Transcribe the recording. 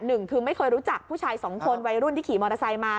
หนึ่งคือไม่เคยรู้จักผู้ชายสองคนวัยรุ่นที่ขี่มอเตอร์ไซค์มา